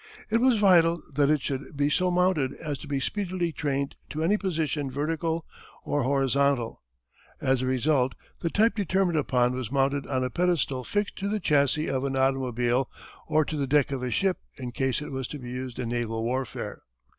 It was vital that it should be so mounted as to be speedily trained to any position vertical or horizontal. As a result the type determined upon was mounted on a pedestal fixed to the chassis of an automobile or to the deck of a ship in case it was to be used in naval warfare.